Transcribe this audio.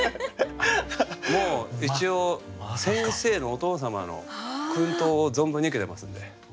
もう一応先生のお父様の薫陶を存分に受けてますんで。